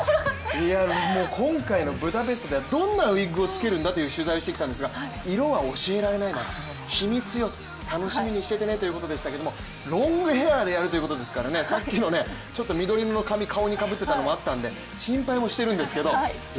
もう今回のブダペストではどんなウイッグをつけるんだ？という取材をしてきたんですけども色は教えられない、秘密よ、楽しみにしててねということでしたけれども、ロングヘアでやるということですからね、さっきの緑色の髪、顔にかぶっていたのもあったので心配もしてるんですけど。